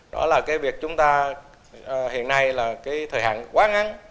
đó là cái việc chúng ta hiện nay là cái thời hạn quá ngắn